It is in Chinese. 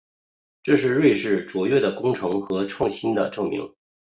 这是瑞士卓越的工程和创新的证明。